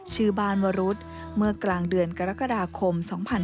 ชื่อบ้านวรุษเมื่อกลางเดือนกรกฎาคม๒๕๕๙